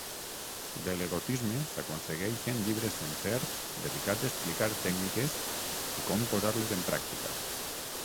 De l'erotisme s'aconsegueixen llibres sencers dedicats a explicar tècniques i com posar-les en pràctica.